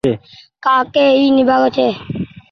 ڪآ ڪي اي نيبآگو ڇي